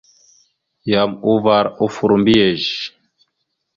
Yam uvar offor mbiyez.